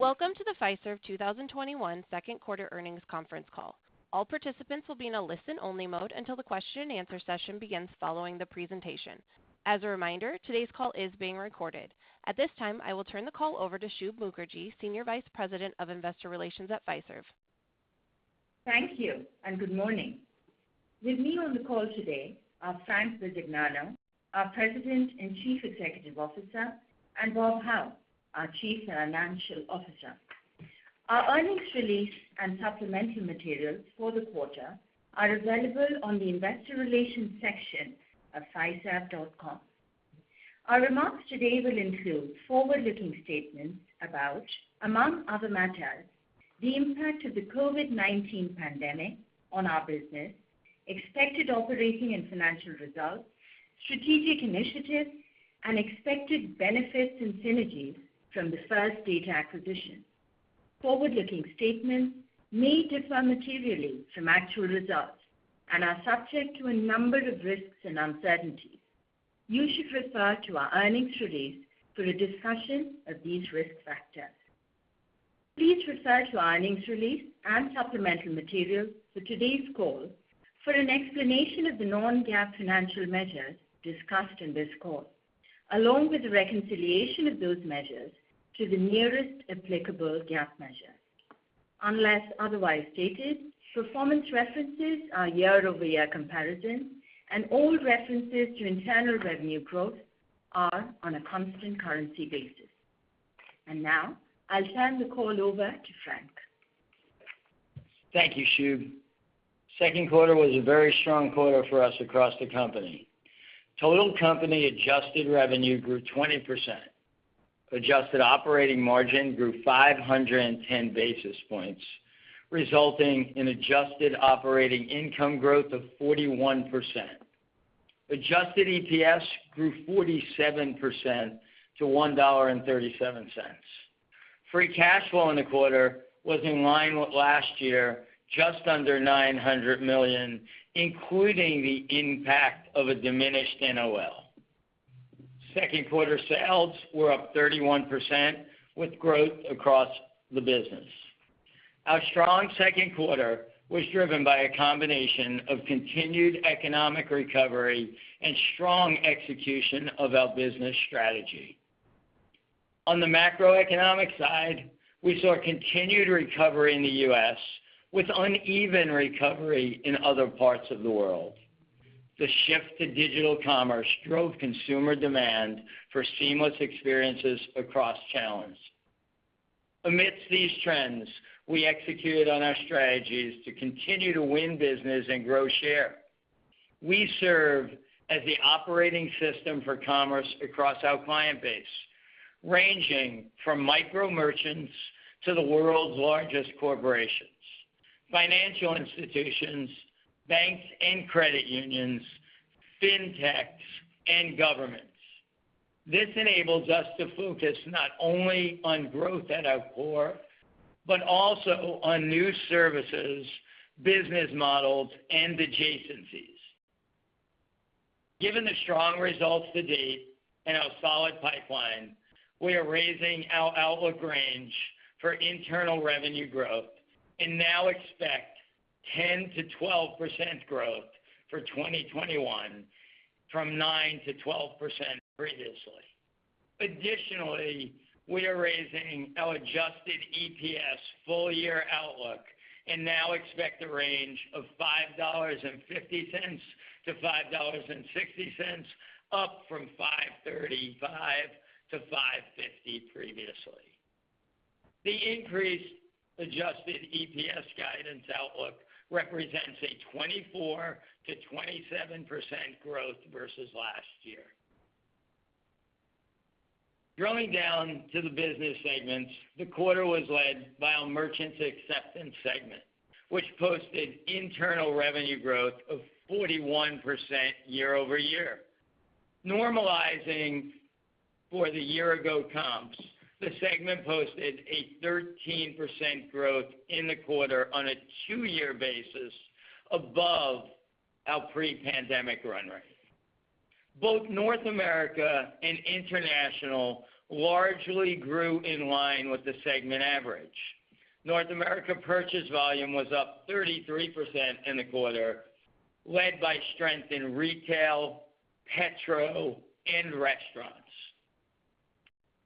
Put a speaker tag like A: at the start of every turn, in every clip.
A: Welcome to the Fiserv 2021 second quarter earnings conference call. All participants will be in a listen-only mode until the question and answer session begins following the presentation. As a reminder, today's call is being recorded. At this time, I will turn the call over to Shub Mukherjee, Senior Vice President of Investor Relations at Fiserv.
B: Thank you, and good morning. With me on the call today are Frank Bisignano, our President and Chief Executive Officer, and Bob Hau, our Chief Financial Officer. Our earnings release and supplemental materials for the quarter are available on the investor relations section of fiserv.com. Our remarks today will include forward-looking statements about, among other matters, the impact of the COVID-19 pandemic on our business, expected operating and financial results, strategic initiatives, and expected benefits and synergies from the First Data acquisition. Forward-looking statements may differ materially from actual results and are subject to a number of risks and uncertainties. You should refer to our earnings release for a discussion of these risk factors. Please refer to our earnings release and supplemental materials for today's call for an explanation of the non-GAAP financial measures discussed in this call, along with the reconciliation of those measures to the nearest applicable GAAP measure. Unless otherwise stated, performance references are year-over-year comparisons, and all references to internal revenue growth are on a constant currency basis. Now I'll turn the call over to Frank.
C: Thank you, Shub. Second quarter was a very strong quarter for us across the company. Total company adjusted revenue grew 20%. Adjusted operating margin grew 510 basis points, resulting in adjusted operating income growth of 41%. Adjusted EPS grew 47% to $1.37. Free cash flow in the quarter was in line with last year, just under $900 million, including the impact of a diminished NOL. Second quarter sales were up 31%, with growth across the business. Our strong second quarter was driven by a combination of continued economic recovery and strong execution of our business strategy. On the macroeconomic side, we saw continued recovery in the U.S. with uneven recovery in other parts of the world. The shift to digital commerce drove consumer demand for seamless experiences across channels. Amidst these trends, we executed on our strategies to continue to win business and grow share. We serve as the operating system for commerce across our client base, ranging from micro merchants to the world's largest corporations, financial institutions, banks and credit unions, fintechs, and governments. This enables us to focus not only on growth at our core but also on new services, business models, and adjacencies. Given the strong results to date and our solid pipeline, we are raising our outlook range for internal revenue growth and now expect 10%-12% growth for 2021, from 9%-12% previously. Additionally, we are raising our adjusted EPS full-year outlook and now expect a range of $5.50-$5.60, up from $5.35-$5.50 previously. The increased adjusted EPS guidance outlook represents a 24%-27% growth versus last year. Drilling down to the business segments, the quarter was led by our Merchant Acceptance segment, which posted internal revenue growth of 41% year-over-year. Normalizing for the year-ago comps, the segment posted a 13% growth in the quarter on a two year basis above our pre-pandemic run rate. Both North America and International largely grew in line with the segment average. North America purchase volume was up 33% in the quarter, led by strength in retail, petrol, and restaurants.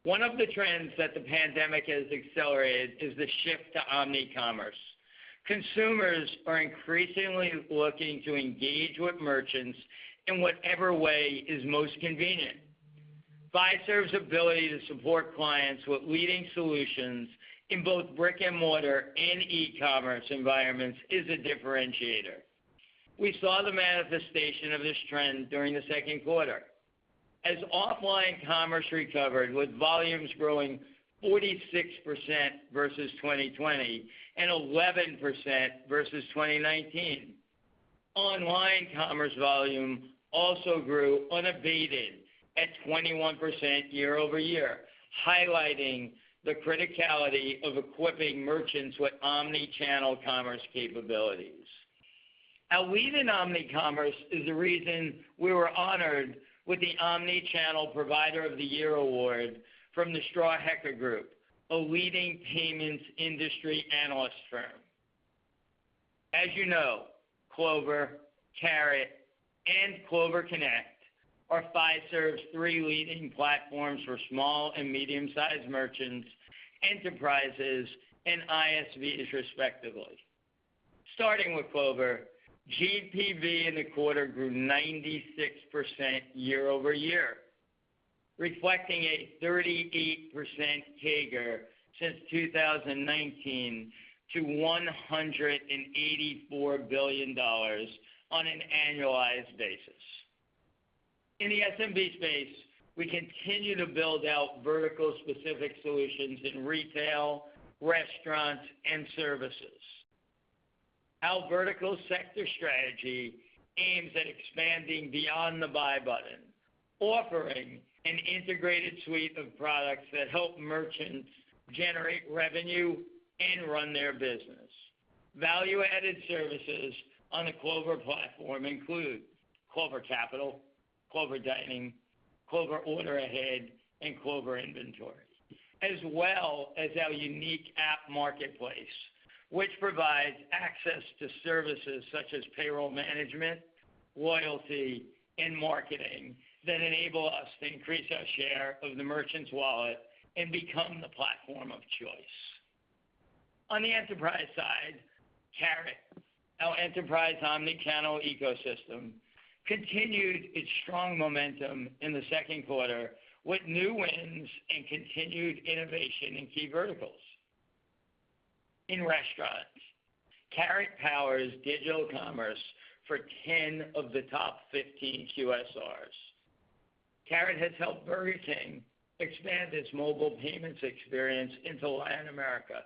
C: One of the trends that the pandemic has accelerated is the shift to omni-commerce. Consumers are increasingly looking to engage with merchants in whatever way is most convenient. Fiserv's ability to support clients with leading solutions in both brick-and-mortar and e-commerce environments is a differentiator. We saw the manifestation of this trend during the second quarter. As offline commerce recovered with volumes growing 46% versus 2020 and 11% versus 2019. Online commerce volume also grew unabated at 21% year-over-year, highlighting the criticality of equipping merchants with omni-channel commerce capabilities. Our lead in omnicommerce is the reason we were honored with the Omnichannel Provider of the Year award from The Strawhecker Group, a leading payments industry analyst firm. As you know, Clover, Carat, and Clover Connect are Fiserv's three leading platforms for small and medium-sized merchants, enterprises, and ISVs respectively. Starting with Clover, GPV in the quarter grew 96% year-over-year, reflecting a 38% CAGR since 2019 to $184 billion on an annualized basis. In the SMB space, we continue to build out vertical-specific solutions in retail, restaurants, and services. Our vertical sector strategy aims at expanding beyond the buy button, offering an integrated suite of products that help merchants generate revenue and run their business. Value-added services on the Clover platform include Clover Capital, Clover Dining, Clover Online Ordering, and Clover Inventory, as well as our unique app marketplace, which provides access to services such as payroll management, loyalty, and marketing that enable us to increase our share of the merchant's wallet and become the platform of choice. On the enterprise side, Carat, our enterprise omni-channel ecosystem, continued its strong momentum in the second quarter with new wins and continued innovation in key verticals. In restaurants, Carat powers digital commerce for 10 of the top 15 QSRs. Carat has helped Burger King expand its mobile payments experience into Latin America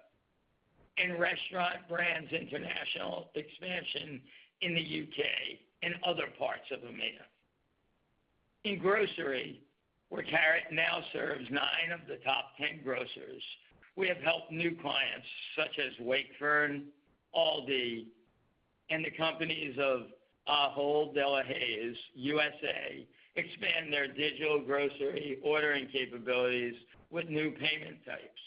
C: and Restaurant Brands International expansion in the U.K. and other parts of EMEA. In grocery, where Carat now serves nine of the top 10 grocers, we have helped new clients such as Wakefern, Aldi, and the companies of Ahold Delhaize USA expand their digital grocery ordering capabilities with new payment types.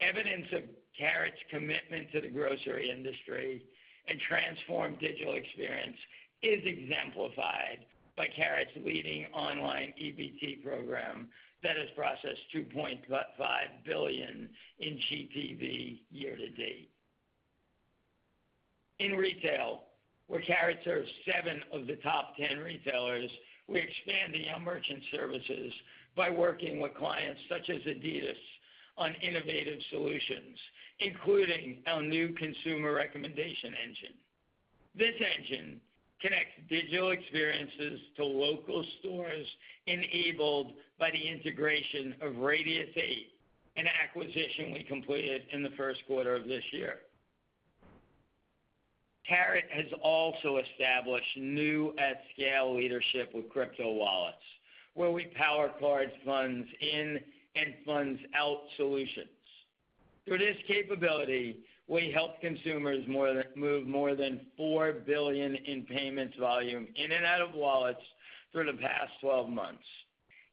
C: Evidence of Carat's commitment to the grocery industry and transformed digital experience is exemplified by Carat's leading online EBT program that has processed $2.5 billion in GPV year to date. In retail, where Carat serves 10 of the top 10 retailers, we're expanding our merchant services by working with clients such as Adidas on innovative solutions, including our new consumer recommendation engine. This engine connects digital experiences to local stores enabled by the integration of Radius8, an acquisition we completed in the first quarter of this year. Carat has also established new at-scale leadership with crypto wallets, where we power cards funds in and funds out solutions. Through this capability, we helped consumers move more than $4 billion in payments volume in and out of wallets through the past 12 months.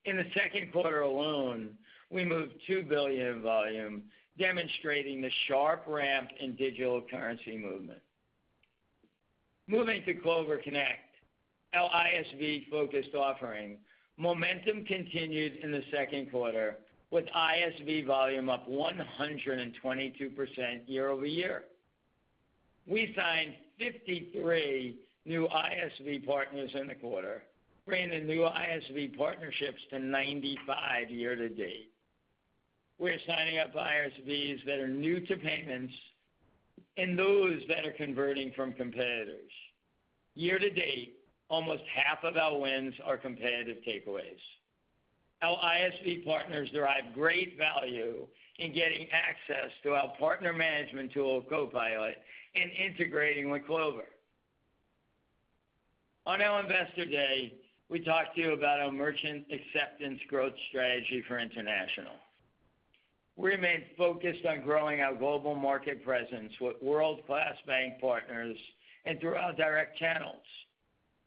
C: In the second quarter alone, we moved $2 billion in volume, demonstrating the sharp ramp in digital currency movement. Moving to Clover Connect, our ISV-focused offering, momentum continued in the second quarter with ISV volume up 122% year-over-year. We signed 53 new ISV partners in the quarter, bringing new ISV partnerships to 95 year to date. We're signing up ISVs that are new to payments and those that are converting from competitors. Year to date, almost half of our wins are competitive takeaways. Our ISV partners derive great value in getting access to our partner management tool, CoPilot, in integrating with Clover. On our investor day, we talked to you about our Merchant Acceptance growth strategy for international. We remain focused on growing our global market presence with world-class bank partners and through our direct channels,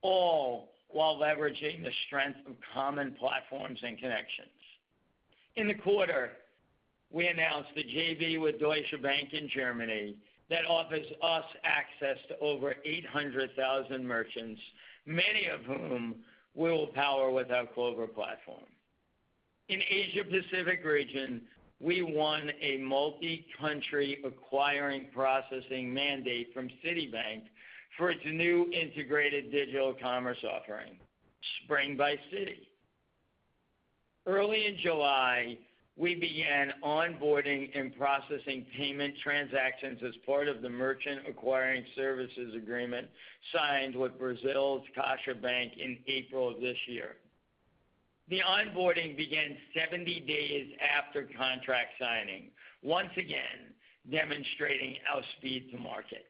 C: all while leveraging the strength of common platforms and connections. In the quarter, we announced the JV with Deutsche Bank in Germany that offers us access to over 800,000 merchants, many of whom we will power with our Clover platform. In Asia-Pacific region, we won a multi-country acquiring processing mandate from Citibank for its new integrated digital commerce offering, Spring by Citi. Early in July, we began onboarding and processing payment transactions as part of the merchant acquiring services agreement signed with Brazil's Caixa Econômica Federal in April of this year. The onboarding began 70 days after contract signing, once again demonstrating our speed to market.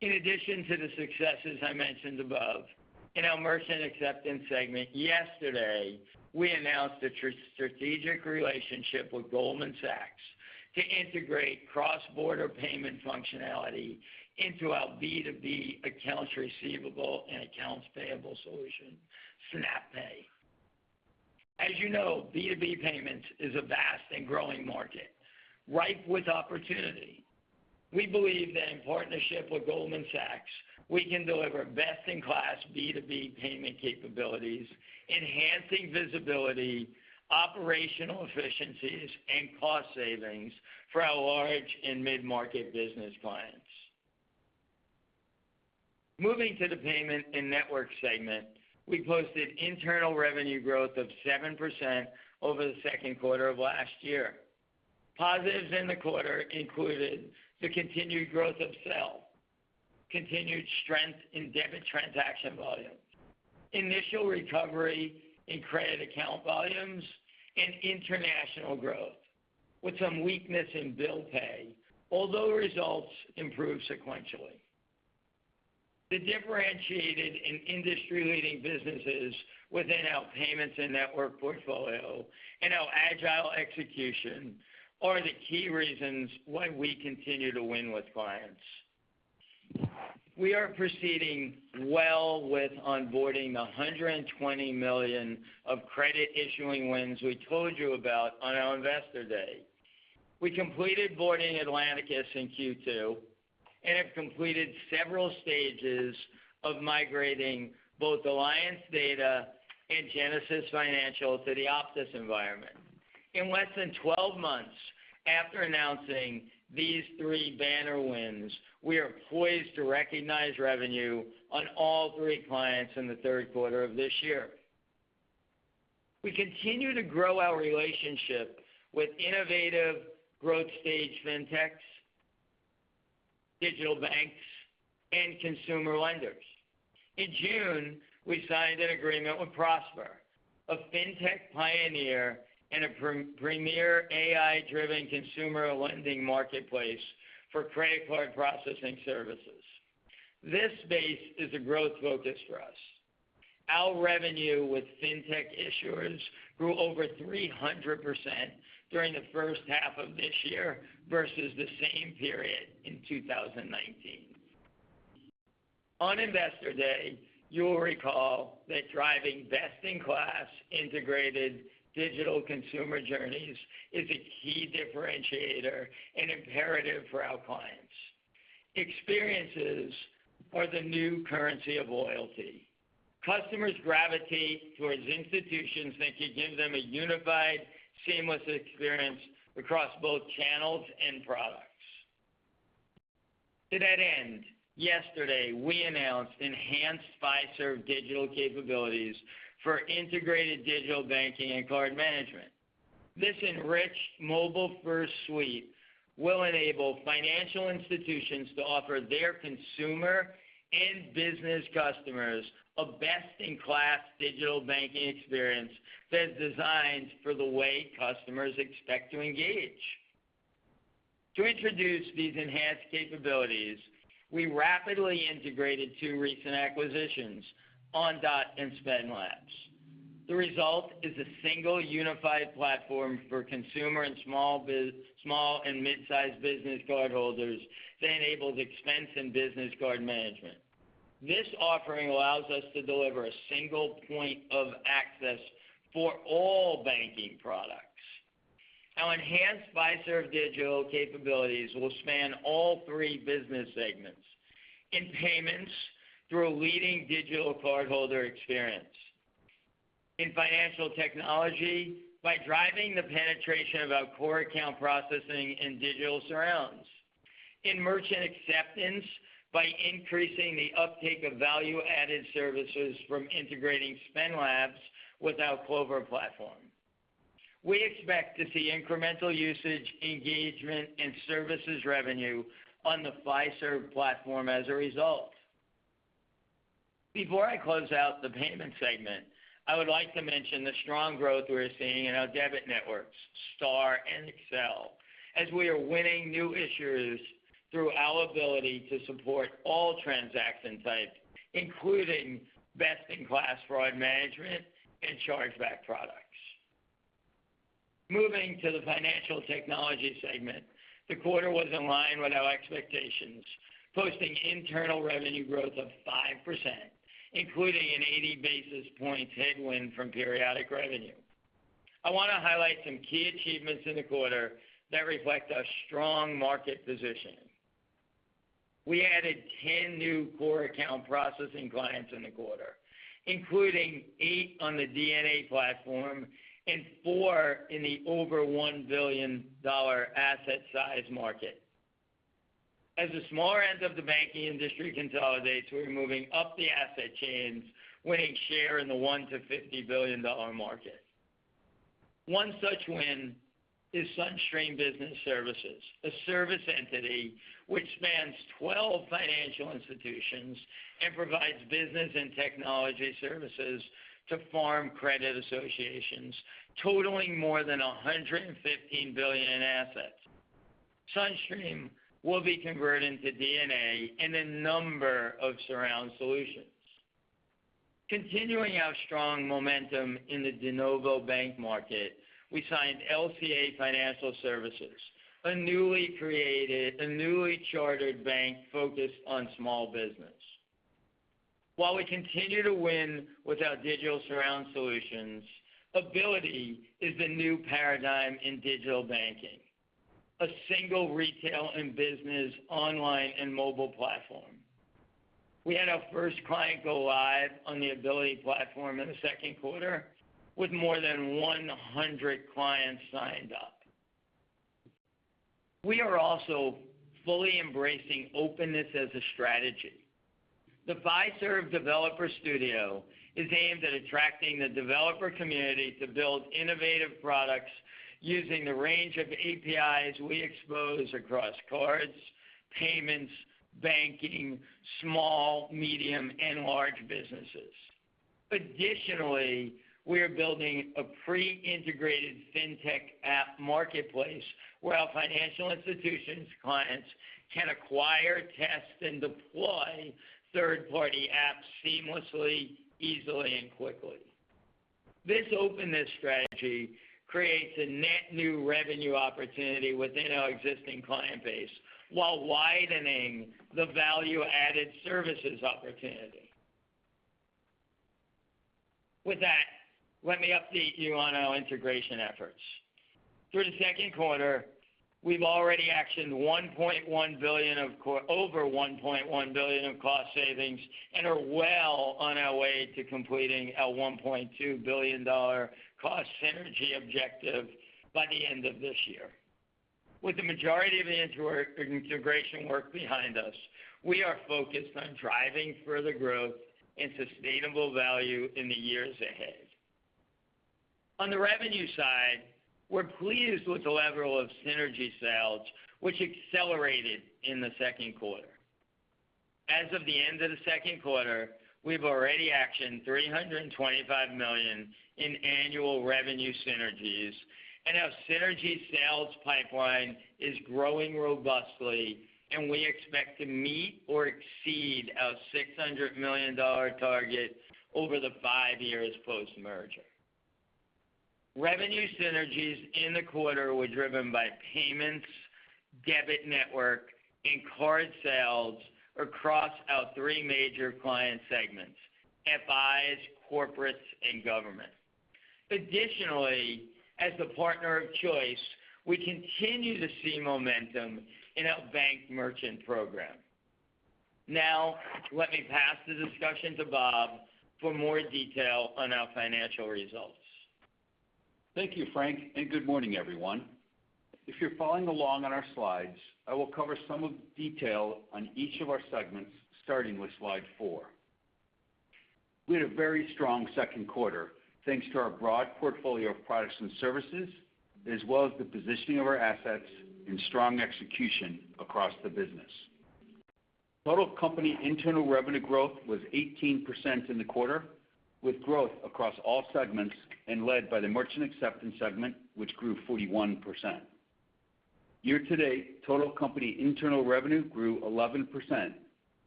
C: In addition to the successes I mentioned above, in our Merchant Acceptance segment yesterday, we announced a strategic relationship with Goldman Sachs to integrate cross-border payment functionality into our B2B accounts receivable and accounts payable solution, SnapPay. As you know, B2B payments is a vast and growing market ripe with opportunity. We believe that in partnership with Goldman Sachs, we can deliver best-in-class B2B payment capabilities, enhancing visibility, operational efficiencies, and cost savings for our large and mid-market business clients. Moving to the Payments and Network segment, we posted internal revenue growth of 7% over the second quarter of last year. Positives in the quarter included the continued growth of Zelle, continued strength in debit transaction volumes, initial recovery in credit account volumes, and international growth with some weakness in bill pay, although results improved sequentially. The differentiated and industry-leading businesses within our Payments and Network portfolio and our agile execution are the key reasons why we continue to win with clients. We are proceeding well with onboarding the $120 million of credit-issuing wins we told you about on our Investor Day. We completed boarding Atlanticus in Q2 and have completed several stages of migrating both Alliance Data and Genesis Financial to the Optis environment. In less than 12 months after announcing these three banner wins, we are poised to recognize revenue on all three clients in the third quarter of this year. We continue to grow our relationship with innovative growth-stage fintechs, digital banks, and consumer lenders. In June, we signed an agreement with Prosper, a fintech pioneer and a premier AI-driven consumer lending marketplace for credit card processing services. This space is a growth focus for us. Our revenue with fintech issuers grew over 300% during the first half of this year versus the same period in 2019. On Investor Day, you'll recall that driving best-in-class integrated digital consumer journeys is a key differentiator and imperative for our clients. Experiences are the new currency of loyalty. Customers gravitate towards institutions that can give them a unified, seamless experience across both channels and products. To that end, yesterday, we announced enhanced Fiserv digital capabilities for integrated digital banking and card management. This enriched mobile-first suite will enable financial institutions to offer their consumer and business customers a best-in-class digital banking experience that's designed for the way customers expect to engage. To introduce these enhanced capabilities, we rapidly integrated two recent acquisitions, Ondot and Spend Labs. The result is a single unified platform for consumer and small and mid-sized business cardholders that enables expense and business card management. This offering allows us to deliver a single point of access for all banking products. Our enhanced Fiserv digital capabilities will span all three business segments. In Payments, through a leading digital cardholder experience. In Financial Technology, by driving the penetration of our core account processing and digital surrounds. In Merchant Acceptance, by increasing the uptake of value-added services from integrating Spend Labs with our Clover platform. We expect to see incremental usage, engagement, and services revenue on the Fiserv platform as a result. Before I close out the payment segment, I would like to mention the strong growth we're seeing in our debit networks, STAR and Accel, as we are winning new issuers through our ability to support all transaction types, including best-in-class fraud management and chargeback products. Moving to the Fintech segment, the quarter was in line with our expectations, posting internal revenue growth of 5%, including an 80-basis point headwind from periodic revenue. I want to highlight some key achievements in the quarter that reflect our strong market positioning. We added 10 new core account processing clients in the quarter, including eight on the DNA platform and four in the over $1 billion asset size market. As the smaller end of the banking industry consolidates, we're moving up the asset chains, winning share in the one to $50 billion market. One such win is SunStream Business Services, a service entity which spans 12 financial institutions and provides business and technology services to farm credit associations totaling more than $115 billion in assets. SunStream will be converted into DNA in a number of surround solutions. Continuing our strong momentum in the de novo bank market, we signed LCA Bank Corporation, a newly chartered bank focused on small business. While we continue to win with our digital surround solutions, Abiliti is the new paradigm in digital banking, a single retail and business online and mobile platform. We had our first client go live on the Abiliti platform in the second quarter with more than 100 clients signed up. We are also fully embracing openness as a strategy. The Fiserv Developer Studio is aimed at attracting the developer community to build innovative products using the range of APIs we expose across cards, payments, banking, small, medium, and large businesses. Additionally, we are building a pre-integrated fintech app marketplace where our financial institutions' clients can acquire, test, and deploy third-party apps seamlessly, easily, and quickly. This openness strategy creates a net new revenue opportunity within our existing client base while widening the value-added services opportunity. With that, let me update you on our integration efforts. Through the second quarter, we've already actioned over $1.1 billion of cost savings and are well on our way to completing our $1.2 billion cost synergy objective by the end of this year. With the majority of the integration work behind us, we are focused on driving further growth and sustainable value in the years ahead. On the revenue side, we're pleased with the level of synergy sales, which accelerated in the second quarter. As of the end of the second quarter, we've already actioned $325 million in annual revenue synergies and our synergy sales pipeline is growing robustly, and we expect to meet or exceed our $600 million target over the 5 years post-merger. Revenue synergies in the quarter were driven by payments, debit network, and card sales across our three major client segments: FIs, corporates, and government. Additionally, as the partner of choice, we continue to see momentum in our bank merchant program. Now, let me pass the discussion to Bob for more detail on our financial results.
D: Thank you, Frank. Good morning, everyone. If you're following along on our slides, I will cover some of the detail on each of our segments, starting with slide four. We had a very strong second quarter thanks to our broad portfolio of products and services, as well as the positioning of our assets and strong execution across the business. Total company internal revenue growth was 18% in the quarter, with growth across all segments and led by the Merchant Acceptance segment, which grew 41%. Year-to-date total company internal revenue grew 11%,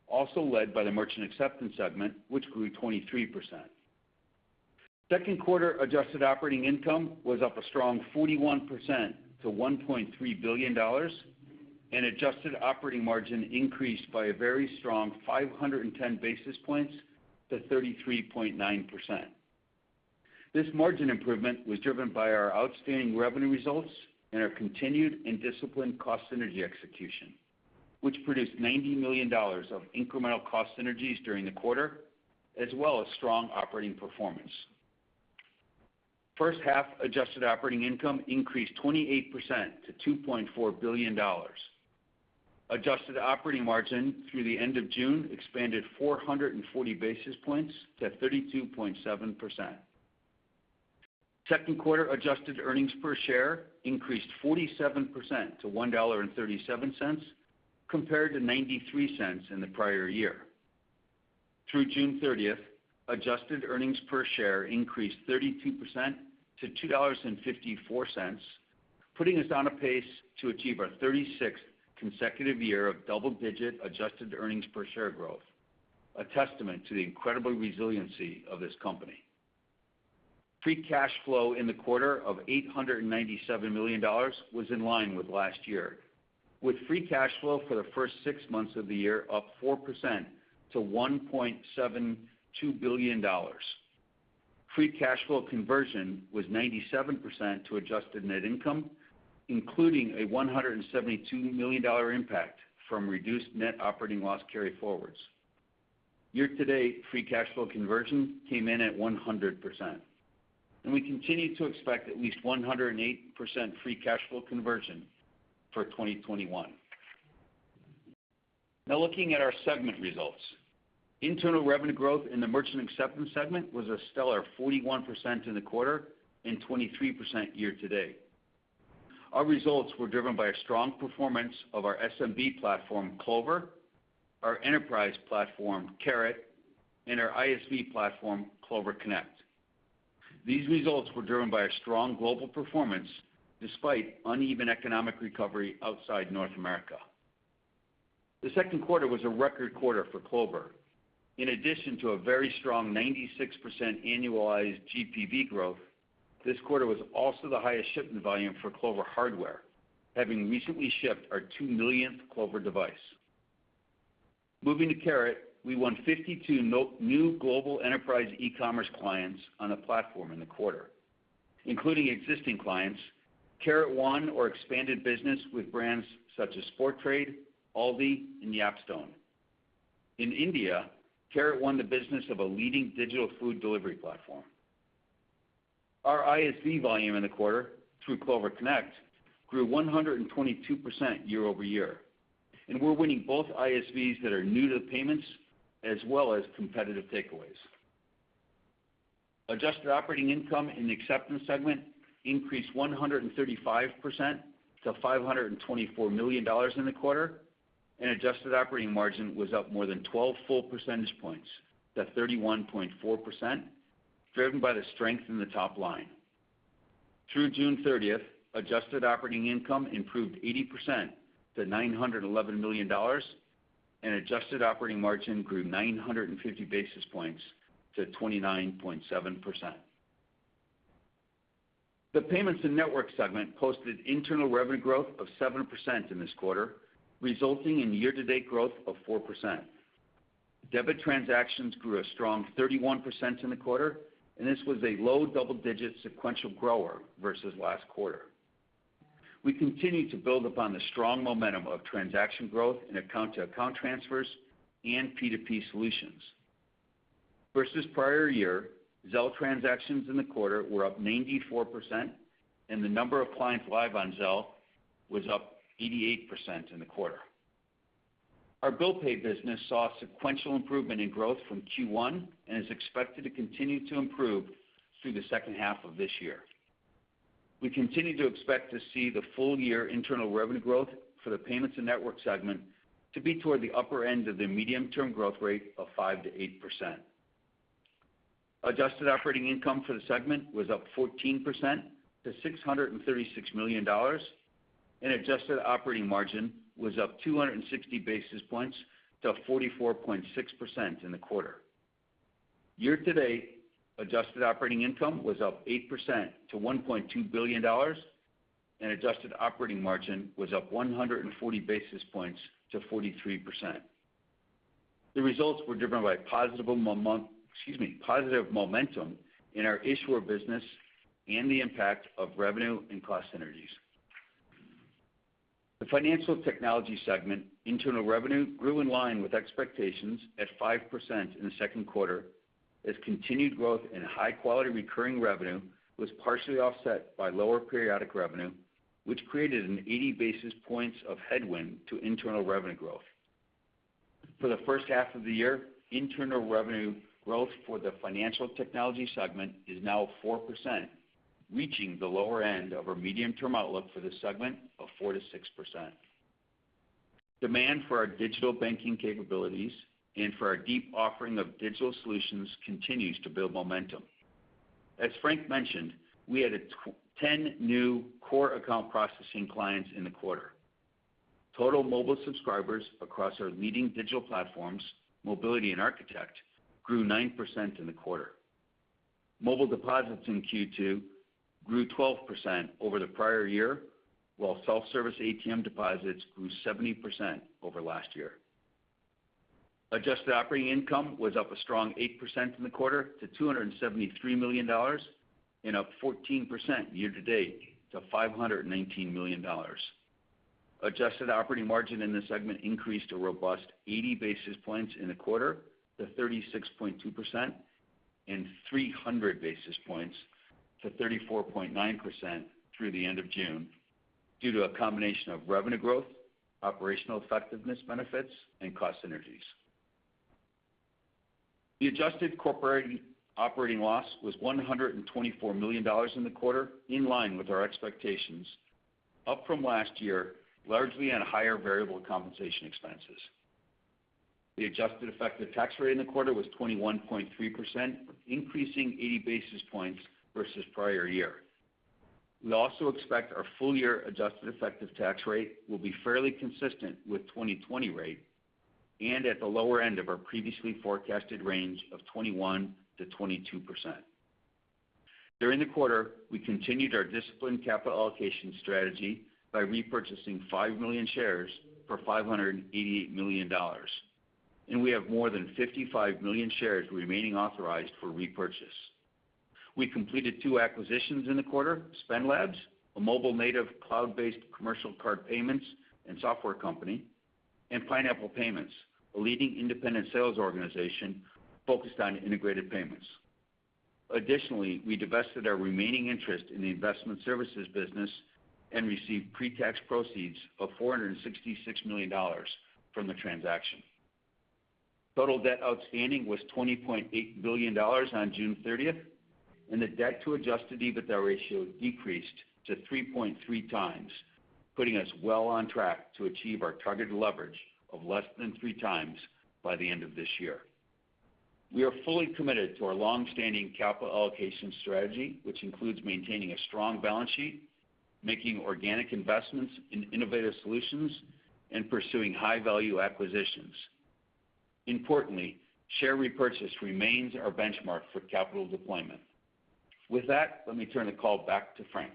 D: also led by the Merchant Acceptance segment, which grew 23%. Second quarter adjusted operating income was up a strong 41% to $1.3 billion. Adjusted operating margin increased by a very strong 510 basis points to 33.9%. This margin improvement was driven by our outstanding revenue results and our continued and disciplined cost synergy execution, which produced $90 million of incremental cost synergies during the quarter, as well as strong operating performance. First half adjusted operating income increased 28% to $2.4 billion. Adjusted operating margin through the end of June expanded 440 basis points to 32.7%. Second quarter adjusted earnings per share increased 47% to $1.37 compared to $0.93 in the prior year. Through June 30th, adjusted earnings per share increased 32% to $2.54, putting us on a pace to achieve our 36th consecutive year of double-digit adjusted earnings per share growth, a testament to the incredible resiliency of this company. Free cash flow in the quarter of $897 million was in line with last year, with free cash flow for the first 6 months of the year up 4% to $1.72 billion. Free cash flow conversion was 97% to adjusted net income, including a $172 million impact from reduced net operating loss carryforwards. Year-to-date free cash flow conversion came in at 100%, and we continue to expect at least 108% free cash flow conversion for 2021. Now looking at our segment results. Internal revenue growth in the Merchant Acceptance segment was a stellar 41% in the quarter and 23% year-to-date. Our results were driven by a strong performance of our SMB platform, Clover, our enterprise platform, Carat, and our ISV platform, Clover Connect. These results were driven by a strong global performance despite uneven economic recovery outside North America. The second quarter was a record quarter for Clover. In addition to a very strong 96% annualized GPV growth, this quarter was also the highest shipment volume for Clover hardware, having recently shipped our 2 millionth Clover device. Moving to Carat, we won 52 new global enterprise e-commerce clients on the platform in the quarter, including existing clients. Carat won or expanded business with brands such as Sporttrade, Aldi, and Yapstone. In India, Carat won the business of a leading digital food delivery platform. Our ISV volume in the quarter through Clover Connect grew 122% year-over-year, and we're winning both ISVs that are new to the payments, as well as competitive takeaways. Adjusted operating income in the Acceptance segment increased 135% to $524 million in the quarter, and adjusted operating margin was up more than 12 full percentage points to 31.4%, driven by the strength in the top line. Through June 30th, adjusted operating income improved 80% to $911 million, and adjusted operating margin grew 950 basis points to 29.7%. The Payments and Network segment posted internal revenue growth of 7% in this quarter, resulting in year-to-date growth of 4%. Debit transactions grew a strong 31% in the quarter, and this was a low double-digit sequential grower versus last quarter. We continue to build upon the strong momentum of transaction growth in account-to-account transfers and P2P solutions. Versus prior year, Zelle transactions in the quarter were up 94%, and the number of clients live on Zelle was up 88% in the quarter. Our Bill Pay business saw sequential improvement in growth from Q1 and is expected to continue to improve through the second half of this year. We continue to expect to see the full-year internal revenue growth for the Payments and Network segment to be toward the upper end of the medium-term growth rate of 5%-8%. Adjusted operating income for the segment was up 14% to $636 million, and adjusted operating margin was up 260 basis points to 44.6% in the quarter. Year to date, adjusted operating income was up 8% to $1.2 billion, and adjusted operating margin was up 140 basis points to 43%. The results were driven by positive momentum in our issuer business and the impact of revenue and cost synergies. The Financial Technology segment internal revenue grew in line with expectations at 5% in the second quarter, as continued growth in high-quality recurring revenue was partially offset by lower periodic revenue, which created an 80 basis points of headwind to internal revenue growth. For the first half of the year, internal revenue growth for the Financial Technology segment is now 4%, reaching the lower end of our medium-term outlook for this segment of 4%-6%. Demand for our digital banking capabilities and for our deep offering of digital solutions continues to build momentum. As Frank mentioned, we added 10 new core account processing clients in the quarter. Total mobile subscribers across our leading digital platforms, Mobiliti and Architect, grew 9% in the quarter. Mobile deposits in Q2 grew 12% over the prior year, while self-service ATM deposits grew 17% over last year. Adjusted operating income was up a strong 8% in the quarter to $273 million and up 14% year to date to $519 million. Adjusted operating margin in this segment increased a robust 80 basis points in the quarter to 36.2% and 300 basis points to 34.9% through the end of June due to a combination of revenue growth, operational effectiveness benefits, and cost synergies. The adjusted corporate operating loss was $124 million in the quarter, in line with our expectations, up from last year, largely on higher variable compensation expenses. The adjusted effective tax rate in the quarter was 21.3%, increasing 80 basis points versus prior year. We also expect our full-year adjusted effective tax rate will be fairly consistent with 2020 rate and at the lower end of our previously forecasted range of 21%-22%. During the quarter, we continued our disciplined capital allocation strategy by repurchasing 5 million shares for $588 million, and we have more than 55 million shares remaining authorized for repurchase. We completed two acquisitions in the quarter, Spend Labs, a mobile-native cloud-based commercial card payments and software company, and Pineapple Payments, a leading independent sales organization focused on integrated payments. Additionally, we divested our remaining interest in the investment services business and received pre-tax proceeds of $466 million from the transaction. Total debt outstanding was $20.8 billion on June 30th, and the debt to adjusted EBITDA ratio decreased to 3.3 times, putting us well on track to achieve our targeted leverage of less than three times by the end of this year. We are fully committed to our long-standing capital allocation strategy, which includes maintaining a strong balance sheet, making organic investments in innovative solutions, and pursuing high-value acquisitions. Importantly, share repurchase remains our benchmark for capital deployment. With that, let me turn the call back to Frank.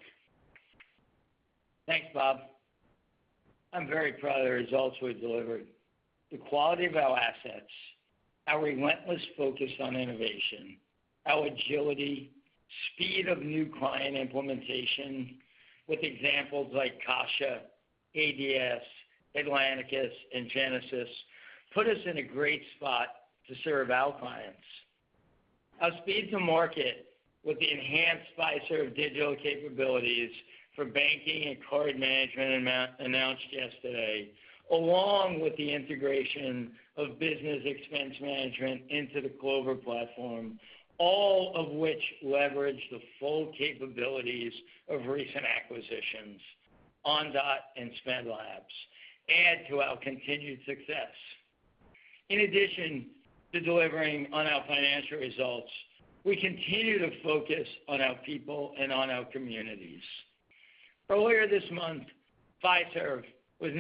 C: Thanks, Bob. I'm very proud of the results we delivered. The quality of our assets, our relentless focus on innovation, our agility, speed of new client implementation with examples like Caixa, ADS, Atlanticus, and Genesis Financial put us in a great spot to serve our clients. Our speed to market with the enhanced Fiserv digital capabilities for banking and card management announced yesterday, along with the integration of business expense management into the Clover platform, all of which leverage the full capabilities of recent acquisitions, Ondot and Spend Labs, add to our continued success. In addition to delivering on our financial results, we continue to focus on our people and on our communities. Earlier this month, Fiserv was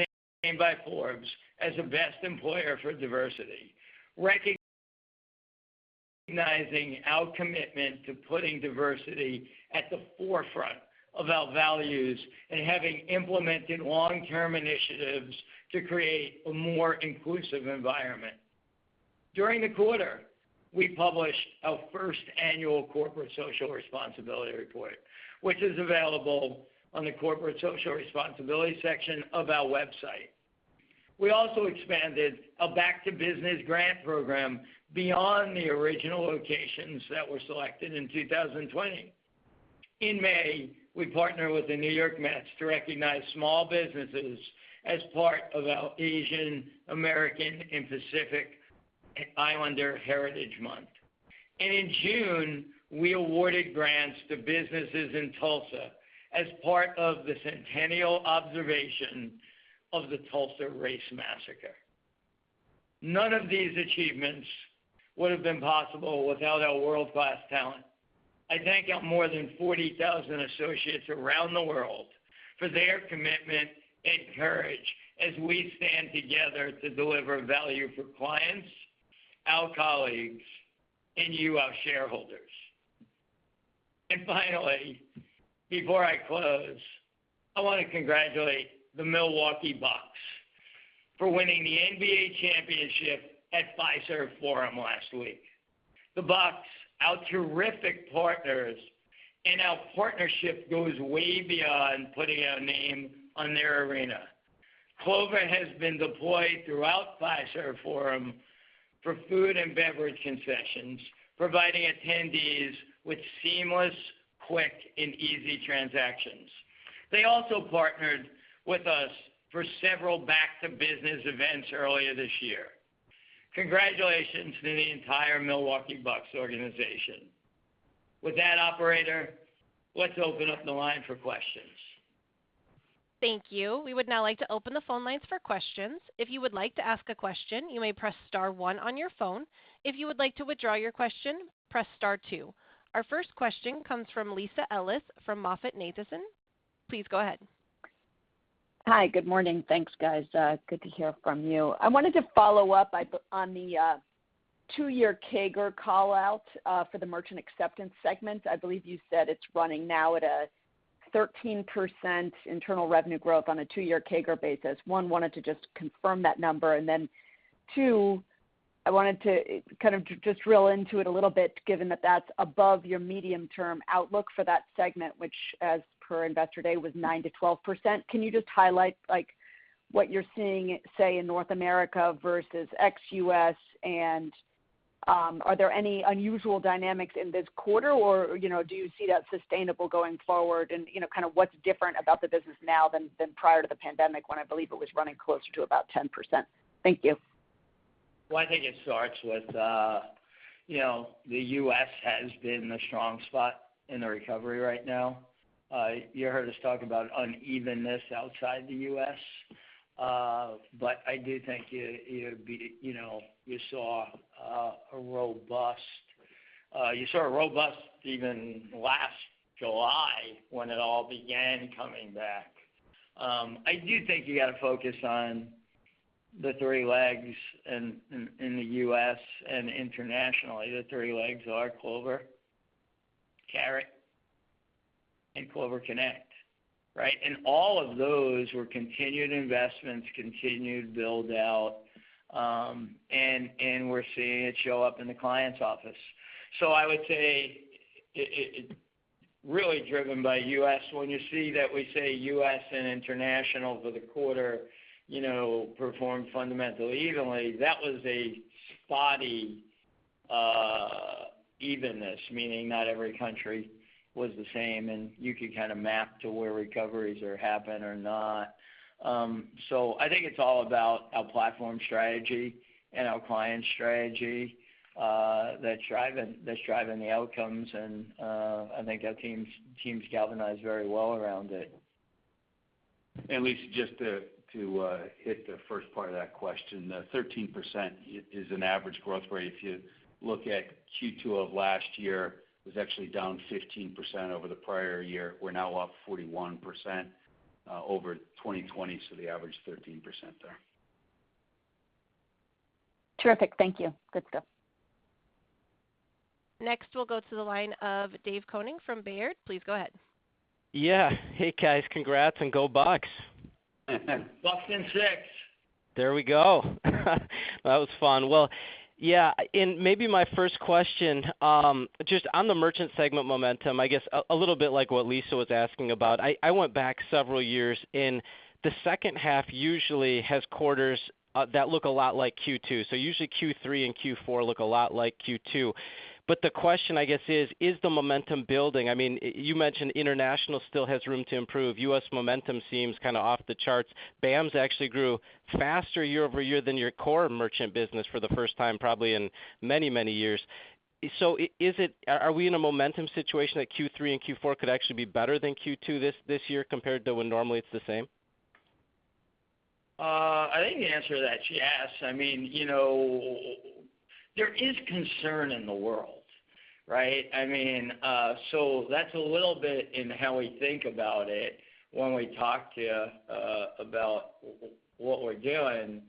C: named by Forbes as a best employer for diversity, recognizing our commitment to putting diversity at the forefront of our values and having implemented long-term initiatives to create a more inclusive environment. During the quarter, we published our first annual Corporate Social Responsibility Report, which is available on the corporate social responsibility section of our website. We also expanded a Back to Business Grant Program beyond the original locations that were selected in 2020. In May, we partnered with the New York Mets to recognize small businesses as part of our Asian American and Pacific Islander Heritage Month. In June, we awarded grants to businesses in Tulsa as part of the centennial observation of the Tulsa Race Massacre. None of these achievements would have been possible without our world-class talent. I thank our more than 40,000 associates around the world for their commitment and courage as we stand together to deliver value for clients, our colleagues, and you, our shareholders. Finally, before I close, I want to congratulate the Milwaukee Bucks for winning the NBA championship at Fiserv Forum last week. The Bucks, our terrific partners, and our partnership goes way beyond putting our name on their arena. Clover has been deployed throughout Fiserv Forum for food and beverage concessions, providing attendees with seamless, quick, and easy transactions. They also partnered with us for several back to business events earlier this year. Congratulations to the entire Milwaukee Bucks organization. With that, operator, let's open up the line for questions.
A: Thank you. We would now like to open the phone lines for questions. If you would like to ask a question, you may press star one on your phone. If you would like to withdraw your question, press star two. Our first question comes from Lisa Ellis from MoffettNathanson. Please go ahead.
E: Hi. Good morning. Thanks, guys. Good to hear from you. I wanted to follow up on the two-year CAGR callout for the Merchant Acceptance segment. I believe you said it's running now at a 13% internal revenue growth on a two-year CAGR basis. One, wanted to just confirm that number. Two, I wanted to kind of just drill into it a little bit, given that that's above your medium-term outlook for that segment, which as per investor day was 9%-12%. Can you just highlight what you're seeing, say, in North America versus ex-U.S., and are there any unusual dynamics in this quarter, or do you see that sustainable going forward? What's different about the business now than prior to the pandemic when I believe it was running closer to about 10%? Thank you.
C: I think it starts with the U.S. has been the strong spot in the recovery right now. You heard us talk about unevenness outside the U.S., I do think you saw a robust even last July when it all began coming back. I do think you got to focus on the three legs in the U.S. and internationally. The three legs are Clover, Carat, and Clover Connect, right? All of those were continued investments, continued build-out, and we're seeing it show up in the client's office. I would say it's really driven by U.S. When you see that we say U.S. and international for the quarter performed fundamentally evenly, that was a spotty evenness, meaning not every country was the same, and you could kind of map to where recoveries are happening or not. I think it's all about our platform strategy and our client strategy that's driving the outcomes, and I think our team's galvanized very well around it.
D: Lisa, just to hit the first part of that question, the 13% is an average growth rate. If you look at Q2 of last year, it was actually down 15% over the prior year. We're now up 41% over 2020, so they average 13% there.
E: Terrific. Thank you. Good stuff.
A: Next, we'll go to the line of David Koning from Baird. Please go ahead.
F: Yeah. Hey, guys. Congrats, and go Bucks.
C: Bucks in six.
F: There we go. That was fun. Well, yeah. Maybe my first question, just on the merchant segment momentum, I guess a little bit like what Lisa was asking about. I went back several years. The second half usually has quarters that look a lot like Q2. Usually Q3 and Q4 look a lot like Q2. The question, I guess is the momentum building? You mentioned international still has room to improve. U.S. momentum seems kind of off the charts. BAMS actually grew faster year-over-year than your core merchant business for the first time probably in many years. Are we in a momentum situation that Q3 and Q4 could actually be better than Q2 this year compared to when normally it's the same?
C: I think the answer to that's yes. There is concern in the world, right? That's a little bit in how we think about it when we talk to you about what we're doing.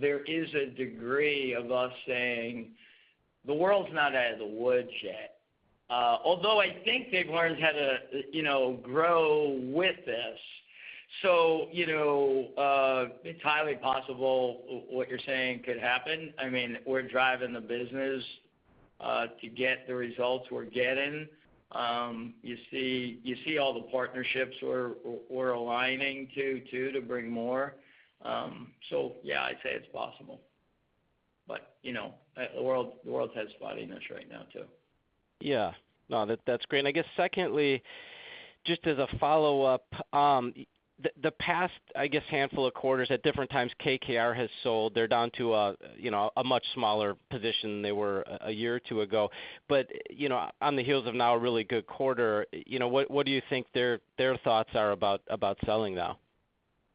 C: There is a degree of us saying the world's not out of the woods yet. Although I think they've learned how to grow with this. It's highly possible what you're saying could happen. We're driving the business to get the results we're getting. You see all the partnerships we're aligning to too, to bring more. Yeah, I'd say it's possible. The world's has spottiness right now, too.
F: Yeah. No, that's great. I guess secondly, just as a follow-up. The past, I guess, handful of quarters at different times KKR has sold. They're down to a much smaller position than they were a year or two ago. On the heels of now a really good quarter, what do you think their thoughts are about selling now?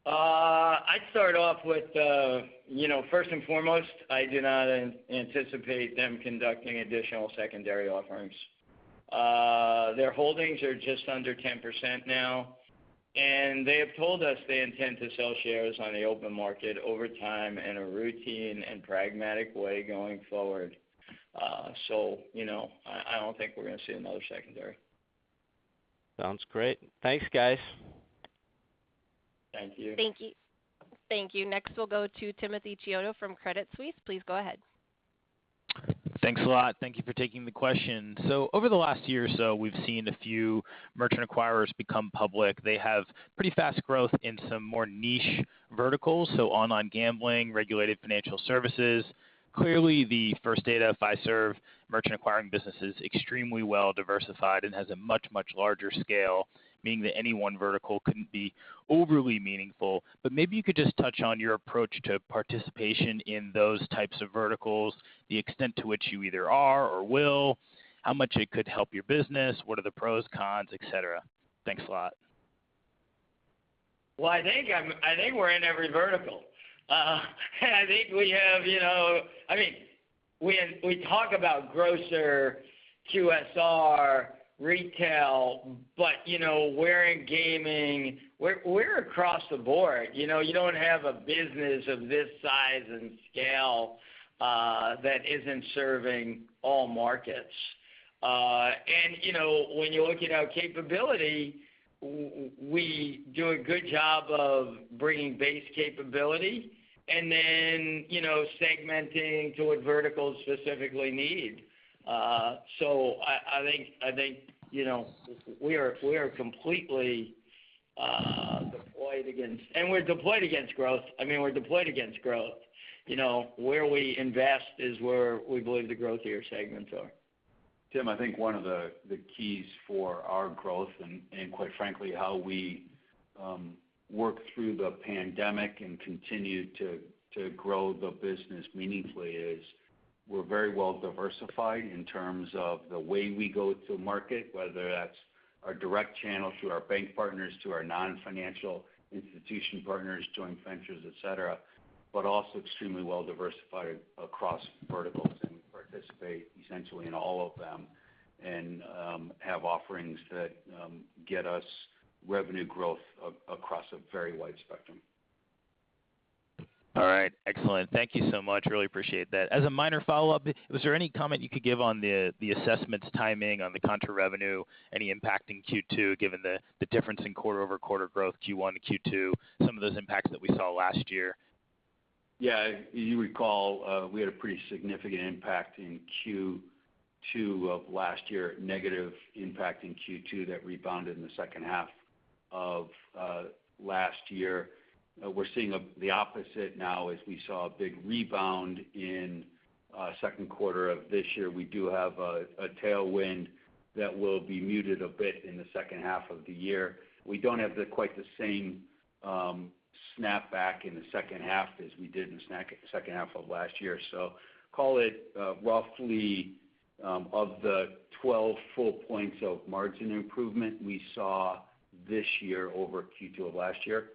C: I'd start off with first and foremost, I do not anticipate them conducting additional secondary offerings. Their holdings are just under 10% now, and they have told us they intend to sell shares on the open market over time in a routine and pragmatic way going forward. I don't think we're going to see another secondary.
F: Sounds great. Thanks, guys.
C: Thank you.
A: Thank you. Next, we'll go to Timothy Chiodo from Credit Suisse. Please go ahead.
G: Thanks a lot. Thank you for taking the question. Over the last year or so, we've seen a few merchant acquirers become public. They have pretty fast growth in some more niche verticals, online gambling, regulated financial services. Clearly, the First Data Fiserv Merchant Acceptance business is extremely well-diversified and has a much larger scale, meaning that any one vertical couldn't be overly meaningful. Maybe you could just touch on your approach to participation in those types of verticals, the extent to which you either are or will, how much it could help your business, what are the pros, cons, et cetera. Thanks a lot.
C: Well, I think we're in every vertical. We talk about grocer, QSR, retail, but we're in gaming. We're across the board. You don't have a business of this size and scale that isn't serving all markets. When you look at our capability, we do a good job of bringing base capability and then segmenting to what verticals specifically need. I think we are completely deployed against growth. Where we invest is where we believe the growthier segments are.
D: Tim, I think one of the keys for our growth, and quite frankly, how we work through the pandemic and continue to grow the business meaningfully is we're very well-diversified in terms of the way we go to market, whether that's our direct channel through our bank partners, to our non-financial institution partners, joint ventures, et cetera, but also extremely well-diversified across verticals. We participate essentially in all of them and have offerings that get us revenue growth across a very wide spectrum.
G: All right. Excellent. Thank you so much. Really appreciate that. As a minor follow-up, was there any comment you could give on the assessments timing on the contra revenue? Any impact in Q2 given the difference in quarter-over-quarter growth Q1 to Q2, some of those impacts that we saw last year?
D: You recall, we had a pretty significant impact in Q2 of last year, negative impact in Q2 that rebounded in the second half of last year. We're seeing the opposite now as we saw a big rebound in second quarter of this year, we do have a tailwind that will be muted a bit in the second half of the year. We don't have the quite the same snapback in the second half as we did in second half of last year. Call it roughly of the 12 full points of margin improvement we saw this year over Q2 of last year,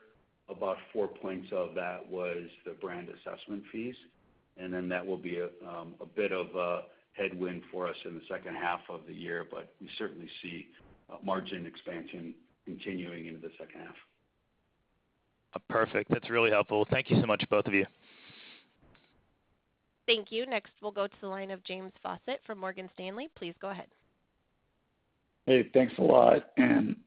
D: about four points of that was the brand assessment fees. That will be a bit of a headwind for us in the second half of the year, but we certainly see margin expansion continuing into the second half.
G: Perfect. That's really helpful. Thank you so much, both of you.
A: Thank you. Next, we'll go to the line of James Faucette from Morgan Stanley. Please go ahead.
H: Hey, thanks a lot.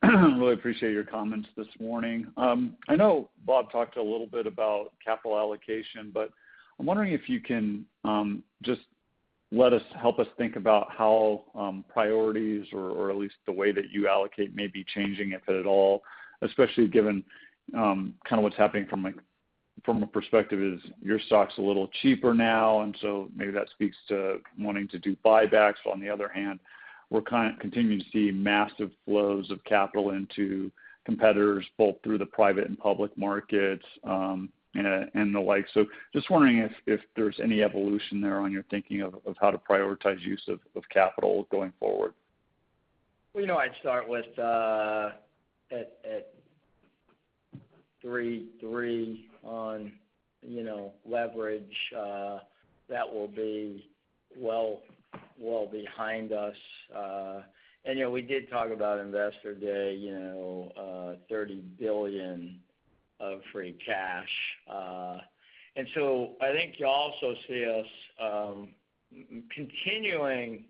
H: Really appreciate your comments this morning. I know Bob talked a little bit about capital allocation, but I'm wondering if you can help us think about how priorities or, at least the way that you allocate may be changing, if at all, especially given kind of what's happening from a perspective is your stock's a little cheaper now, maybe that speaks to wanting to do buybacks. On the other hand, we're kind of continuing to see massive flows of capital into competitors, both through the private and public markets, and the like. Just wondering if there's any evolution there on your thinking of how to prioritize use of capital going forward.
C: Well, I'd start with, at three, three on, you know, leverage. That will be well behind us. You know, we did talk about Investor Day, you know, $30 billion of free cash. I think you'll also see us continuing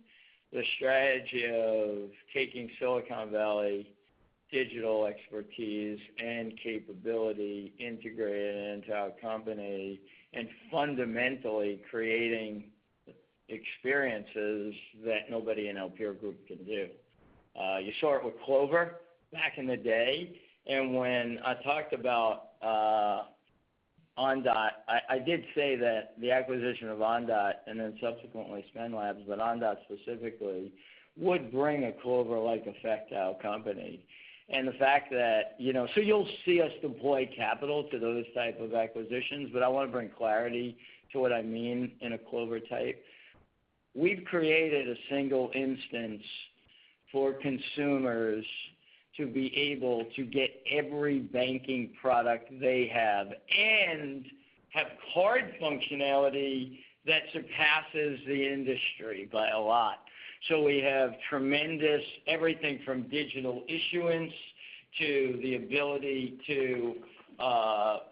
C: the strategy of taking Silicon Valley digital expertise and capability, integrate it into our company, and fundamentally creating experiences that nobody in peer group can do. You saw it with Clover back in the day, and when I talked about Ondot, I did say that the acquisition of Ondot, and then subsequently Spend Labs, but Ondot specifically would bring a Clover-like effect to our company. The fact that You know, you'll see us deploy capital to those type of acquisitions, but I want to bring clarity to what I mean in a Clover type. We've created a single instance for consumers to be able to get every banking product they have and have card functionality that surpasses the industry by a lot. We have tremendous everything from digital issuance to the ability to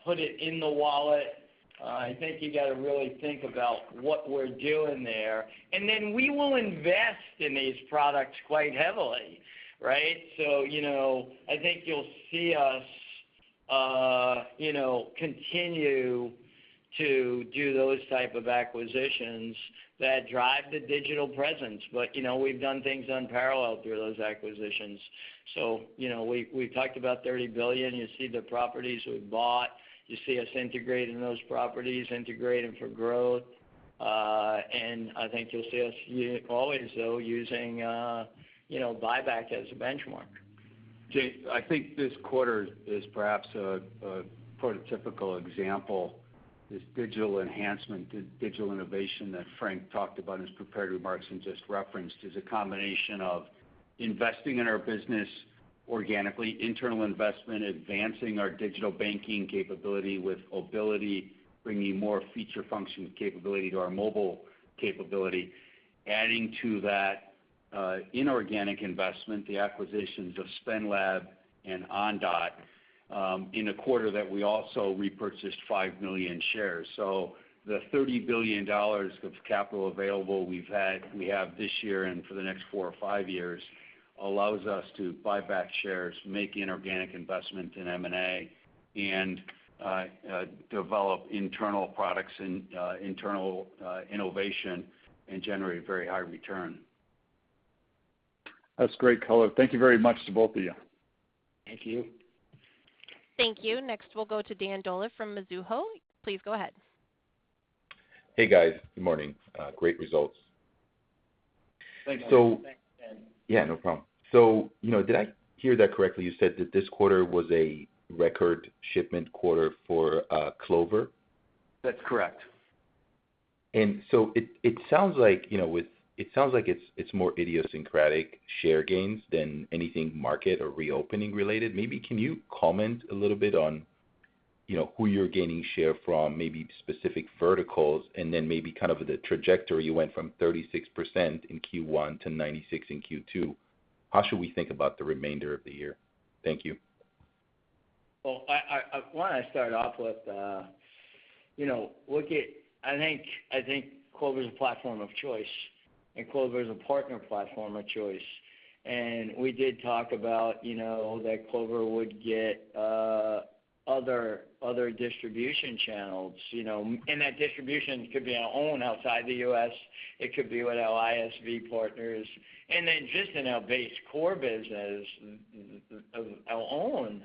C: put it in the wallet. I think you got to really think about what we're doing there. We will invest in these products quite heavily, right? You know, I think you'll see us, you know, continue to do those type of acquisitions that drive the digital presence. You know, we've done things unparalleled through those acquisitions. You know, we talked about $30 billion. You see the properties we've bought. You see us integrating those properties, integrating for growth. I think you'll see us always though, using, you know, buyback as a benchmark.
D: James, I think this quarter is perhaps a prototypical example. This digital enhancement, digital innovation that Frank talked about in his prepared remarks and just referenced is a combination of investing in our business organically, internal investment, advancing our digital banking capability with Mobiliti, bringing more feature function capability to our mobile capability. Adding to that, inorganic investment, the acquisitions of Spend Labs and Ondot, in a quarter that we also repurchased 5 million shares. The $30 billion of capital available we've had, we have this year and for the next four or five years allows us to buy back shares, make inorganic investment in M&A, and develop internal products and internal innovation, and generate very high return.
H: That's great color. Thank you very much to both of you.
C: Thank you.
A: Thank you. Next, we'll go to Dan Dolev from Mizuho. Please go ahead.
I: Hey, guys. Good morning. Great results.
D: Thanks.
C: Thanks, Dan.
I: Yeah, no problem. You know, did I hear that correctly? You said that this quarter was a record shipment quarter for Clover?
C: That's correct.
I: It, it sounds like, you know, with. It sounds like it's more idiosyncratic share gains than anything market or reopening related. Maybe can you comment a little bit on, you know, who you're gaining share from, maybe specific verticals and then maybe kind of the trajectory. You went from 36% in Q1 to 96 in Q2. How should we think about the remainder of the year? Thank you.
C: Well, why I start off with, you know, I think Clover's a platform of choice, and Clover is a partner platform of choice. We did talk about, you know, that Clover would get other distribution channels, you know. That distribution could be on own outside the U.S. It could be with our ISV partners, and then just in our base core business of our own.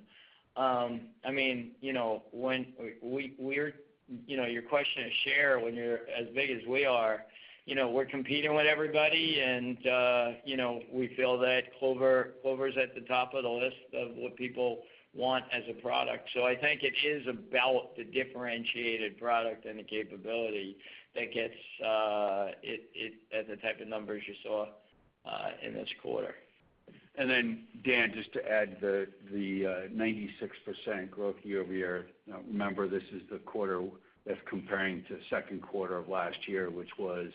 C: Your question is share when you're as big as we are. We're competing with everybody, and we feel that Clover's at the top of the list of what people want as a product. I think it is about the differentiated product and the capability that gets the type of numbers you saw in this quarter.
D: Dan, just to add the 96% growth year-over-year. Remember, this is the quarter that's comparing to second quarter of last year, which was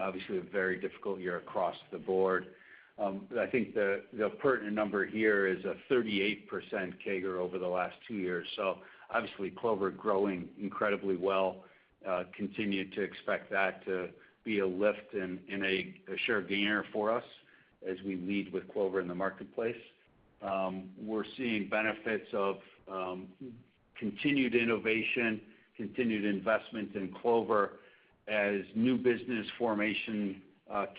D: obviously a very difficult year across the board. I think the pertinent number here is a 38% CAGR over the last two years. Obviously Clover growing incredibly well. Continue to expect that to be a lifting in a share gainer for us as we lead with Clover in the marketplace. We're seeing benefits of continued innovation, continued investment in Clover as new business formation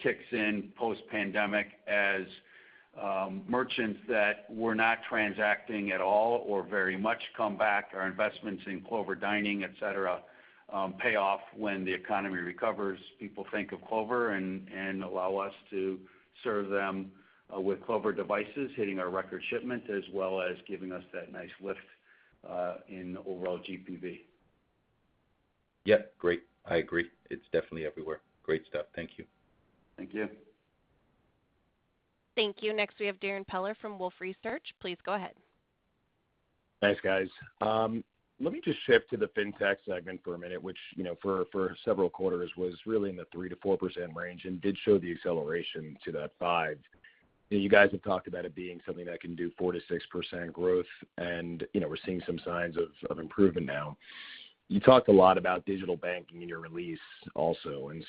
D: kicks in post-pandemic, as merchants that were not transacting at all or very much come back. Our investments in Clover Dining, et cetera, pay off when the economy recovers. People think of Clover and allow us to serve them with Clover devices, hitting our record shipment as well as giving us that nice lift in overall GPV.
I: Yeah. Great. I agree. It's definitely everywhere. Great stuff. Thank you.
C: Thank you.
A: Thank you. Next we have Darrin Peller from Wolfe Research. Please go ahead.
J: Thanks, guys. Let me just shift to the Fintech segment for a minute, which for several quarters was really in the 3%-4% range and did show the acceleration to that five. You guys have talked about it being something that can do 4%-6% growth and we're seeing some signs of improvement now.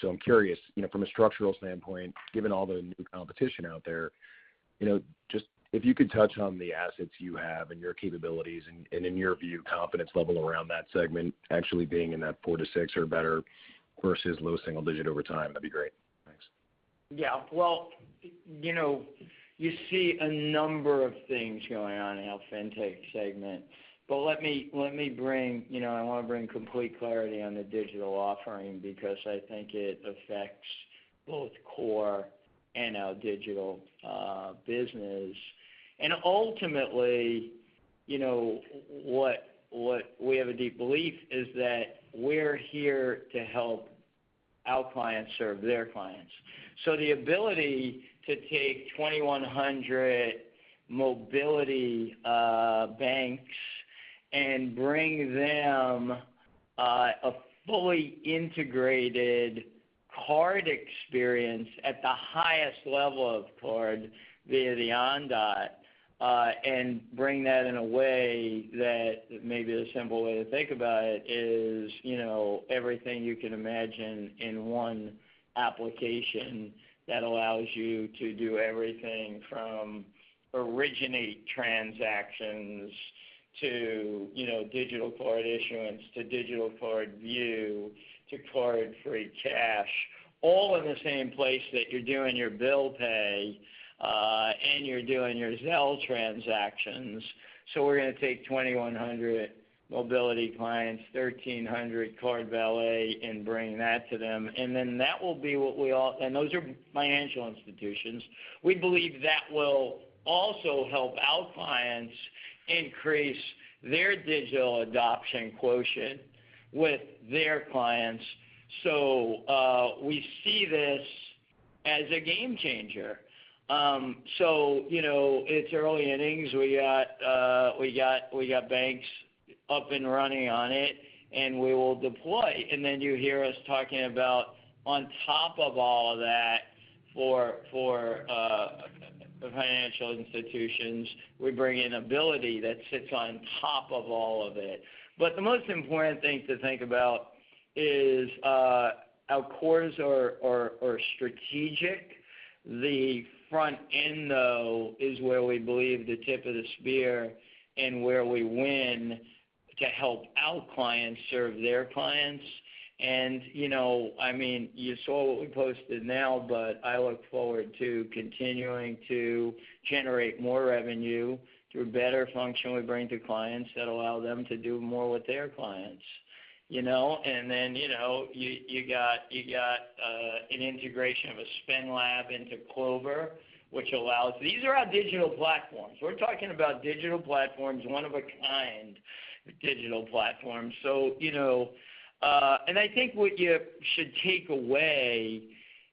J: I'm curious from a structural standpoint, given all the new competition out there, just if you could touch on the assets you have and your capabilities and in your view, confidence level around that segment actually being in that 4%-6% or better versus low single-digit over time, that'd be great. Thanks.
C: Yeah. Well, you see a number of things going on in our Fintech segment. I want to bring complete clarity on the digital offering because I think it affects both core and our digital business. Ultimately what we have a deep belief is that we're here to help our clients serve their clients. The ability to take 2,100 Mobiliti banks and bring them a fully integrated card experience at the highest level of card via the Ondot and bring that in a way that maybe the simple way to think about it is everything you can imagine in one application that allows you to do everything from originate transactions to digital card issuance to digital card view to card-free cash, all in the same place that you're doing your bill pay and you're doing your Zelle transactions. We're going to take 2,100 Mobiliti clients, 1,300 CardValet and bring that to them. Those are financial institutions. We believe that will also help our clients increase their digital adoption quotient with their clients. We see this as a game changer. It's early innings. We got banks up and running on it, and we will deploy. Then you hear us talking about on top of all of that for financial institutions, we bring in Abiliti that sits on top of all of it. The most important thing to think about is our cores are strategic. The front end, though, is where we believe the tip of the spear and where we win to help our clients serve their clients. You saw what we posted now, but I look forward to continuing to generate more revenue through better function we bring to clients that allow them to do more with their clients. Then you got an integration of a SpendLabs into Clover, which allows. These are our digital platforms. We're talking about digital platforms, one of a kind digital platforms. I think what you should take away,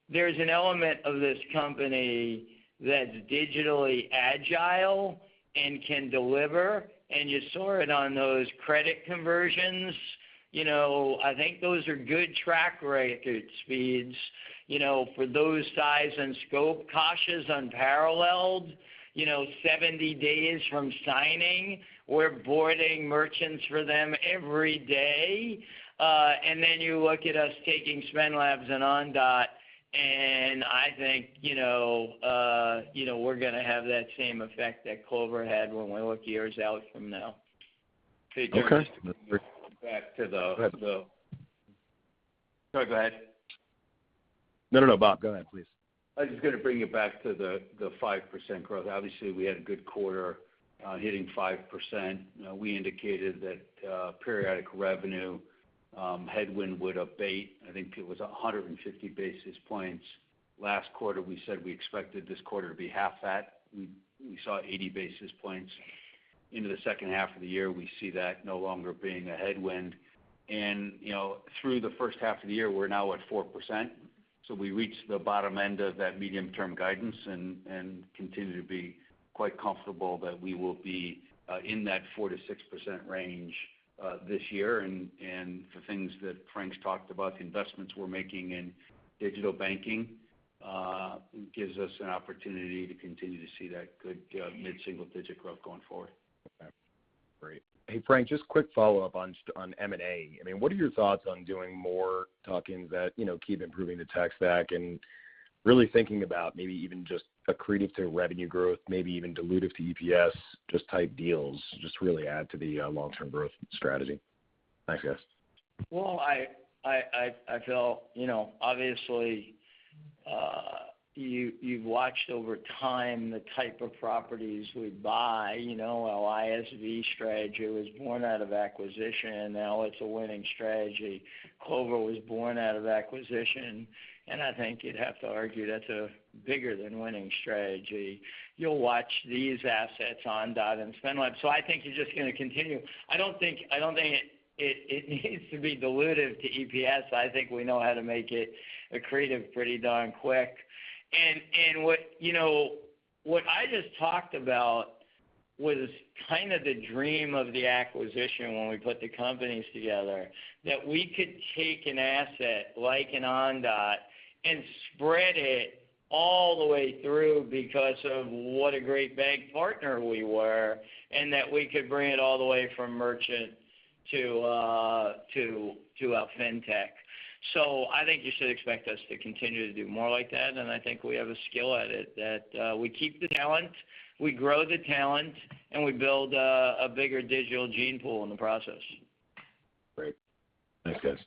C: there's an element of this company that's digitally agile and can deliver, and you saw it on those credit conversions. I think those are good track record speeds for those size and scope. Caixa's unparalleled. 70 days from signing, we're boarding merchants for them every day. Then you look at us taking SpendLabs and Ondot. We're going to have that same effect that Clover had when we look years out from now.
J: Okay.
C: Back to the
J: Go ahead.
D: Sorry, go ahead.
J: No, Bob Hau, go ahead, please.
D: I was just going to bring it back to the 5% growth. Obviously, we had a good quarter hitting 5%. We indicated that periodic revenue headwind would abate. I think it was 150 basis points last quarter. We said we expected this quarter to be half that. We saw 80 basis points into the second half of the year. We see that no longer being a headwind. Through the first half of the year, we're now at 4%. We reached the bottom end of that medium-term guidance and continue to be quite comfortable that we will be in that 4%-6% range this year. The things that Frank's talked about, the investments we're making in digital banking gives us an opportunity to continue to see that good mid-single-digit growth going forward.
J: Okay, great. Hey, Frank, just quick follow-up on M&A. What are your thoughts on doing more tuck-ins that keep improving the tech stack and really thinking about maybe even just accretive to revenue growth, maybe even dilutive to EPS, just type deals, just really add to the long-term growth strategy? Thanks, guys.
C: Well, I feel, obviously you've watched over time the type of properties we buy. Our ISV strategy was born out of acquisition. It's a winning strategy. Clover was born out of acquisition, and I think you'd have to argue that's a bigger than winning strategy. You'll watch these assets Ondot and SpendLabs. I think you're just going to continue. I don't think it needs to be dilutive to EPS. I think we know how to make it accretive pretty darn quick. What I just talked about was kind of the dream of the acquisition when we put the companies together. That we could take an asset like an Ondot and spread it all the way through because of what a great bank partner we were, and that we could bring it all the way from merchant to our Fintech. I think you should expect us to continue to do more like that. I think we have a skill at it that we keep the talent, we grow the talent, and we build a bigger digital gene pool in the process.
J: Great. Thanks, guys.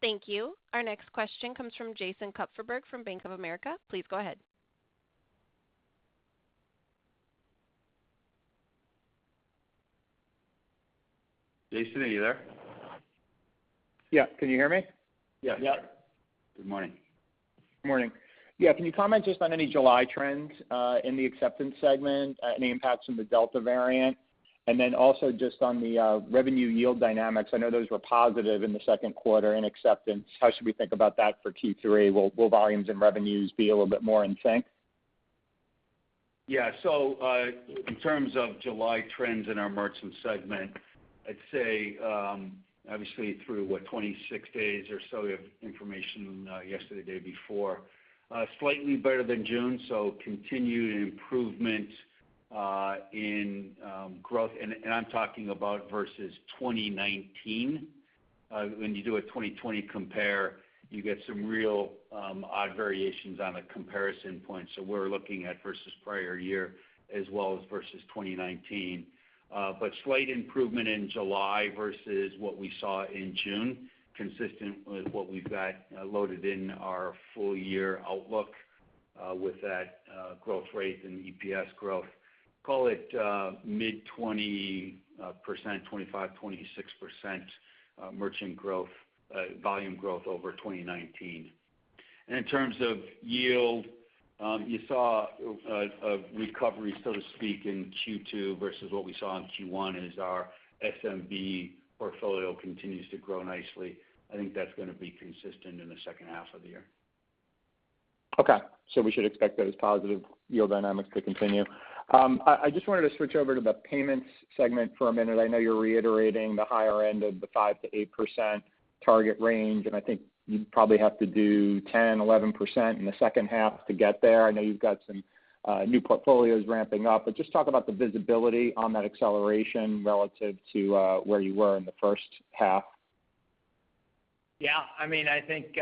A: Thank you. Our next question comes from Jason Kupferberg from Bank of America. Please go ahead.
C: Jason, are you there?
K: Yeah. Can you hear me?
C: Yeah. Yeah. Good morning.
K: Good morning. Yeah, can you comment just on any July trends in the Acceptance segment, any impacts from the Delta variant? Also just on the revenue yield dynamics. I know those were positive in the second quarter in Acceptance. How should we think about that for Q3? Will volumes and revenues be a little bit more in sync?
D: In terms of July trends in our merchant segment, I'd say, obviously through what, 26 days or so we have information yesterday, the day before. Slightly better than June, continued improvement in growth. I'm talking about versus 2019. When you do a 2020 compare, you get some real odd variations on the comparison point. We're looking at versus prior year as well as versus 2019. Slight improvement in July versus what we saw in June, consistent with what we've got loaded in our full-year outlook with that growth rate and EPS growth. Call it mid-20%, 25%, 26% merchant volume growth over 2019. In terms of yield, you saw a recovery, so to speak, in Q2 versus what we saw in Q1 as our SMB portfolio continues to grow nicely. I think that's going to be consistent in the second half of the year.
K: We should expect those positive yield dynamics to continue. I just wanted to switch over to the payments segment for a minute. I know you're reiterating the higher end of the 5%-8% target range, I think you'd probably have to do 10%-11% in the second half to get there. I know you've got some new portfolios ramping up, just talk about the visibility on that acceleration relative to where you were in the first half.
C: Yeah, I think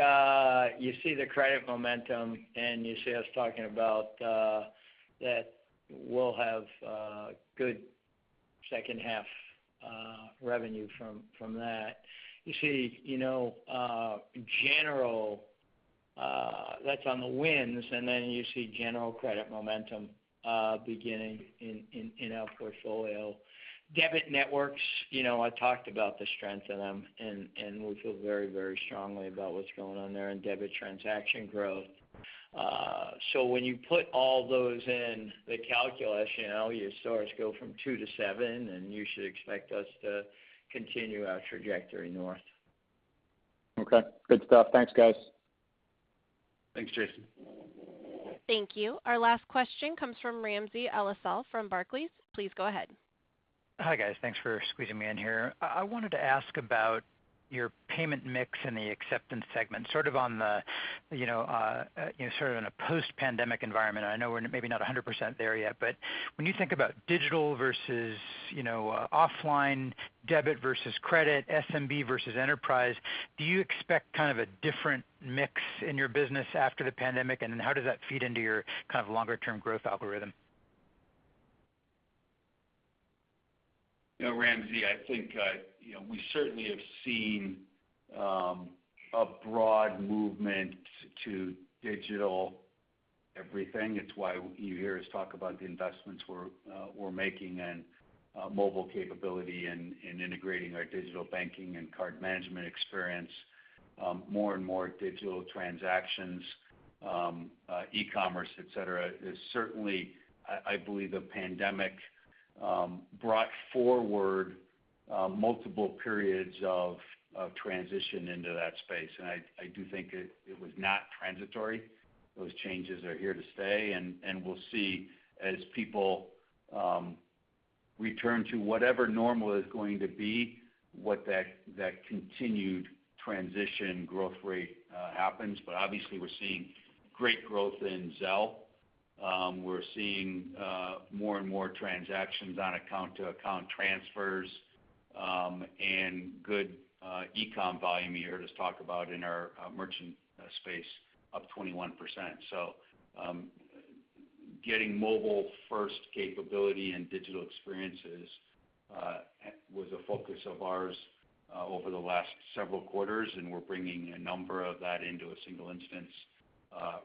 C: you see the credit momentum, and you see us talking about that we'll have good second half revenue from that. That's on the wins, and then you see general credit momentum beginning in our portfolio. Debit networks, I talked about the strength in them, and we feel very strongly about what's going on there in debit transaction growth. When you put all those in the calculus, your stars go from two to seven, and you should expect us to continue our trajectory north.
K: Okay, good stuff. Thanks, guys.
C: Thanks, Jason.
A: Thank you. Our last question comes from Ramsey El-Assal from Barclays. Please go ahead.
L: Hi, guys. Thanks for squeezing me in here. I wanted to ask about your payment mix in the acceptance segment, sort of in a post-pandemic environment. I know we're maybe not 100% there yet, but when you think about digital versus offline, debit versus credit, SMB versus enterprise, do you expect kind of a different mix in your business after the pandemic? How does that feed into your kind of longer-term growth algorithm?
D: Yeah, Ramsey, I think we certainly have seen a broad movement to digital everything. It's why you hear us talk about the investments we're making in mobile capability and integrating our digital banking and card management experience. More and more digital transactions, e-commerce, et cetera, is certainly, I believe the pandemic brought forward multiple periods of transition into that space. I do think it was not transitory. Those changes are here to stay. We'll see as people return to whatever normal is going to be, what that continued transition growth rate happens. Obviously, we're seeing great growth in Zelle. We're seeing more and more transactions on account-to-account transfers, and good e-com volume you heard us talk about in our merchant space, up 21%. Getting mobile-first capability and digital experiences was a focus of ours over the last several quarters, and we're bringing a number of that into a single instance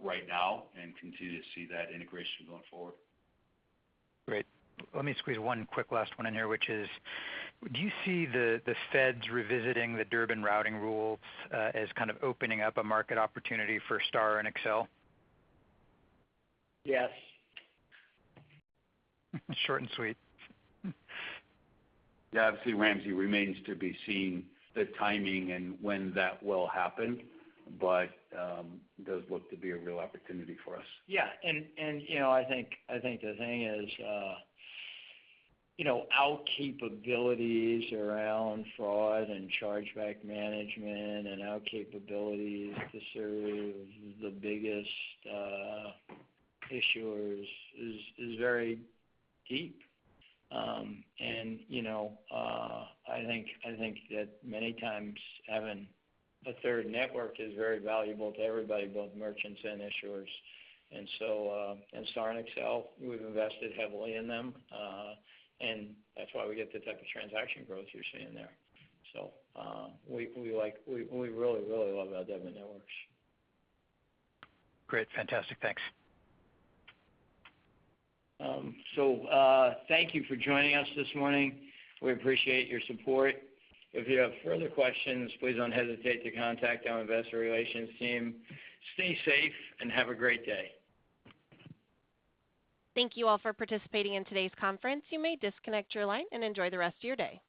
D: right now and continue to see that integration going forward.
L: Great. Let me squeeze one quick last one in here, which is: do you see the feds revisiting the Durbin routing rule as kind of opening up a market opportunity for STAR and Accel?
C: Yes.
L: Short and sweet.
D: Yeah, obviously, Ramsey, remains to be seen the timing and when that will happen, but it does look to be a real opportunity for us.
C: Yeah. I think the thing is our capabilities around fraud and chargeback management and our capabilities to serve the biggest issuers is very deep. I think that many times having a third network is very valuable to everybody, both merchants and issuers. STAR and Accel, we've invested heavily in them. That's why we get the type of transaction growth you're seeing there. We really, really love our debit networks.
L: Great. Fantastic. Thanks.
C: Thank you for joining us this morning. We appreciate your support. If you have further questions, please don't hesitate to contact our investor relations team. Stay safe and have a great day.
A: Thank you all for participating in today's conference. You may disconnect your line and enjoy the rest of your day.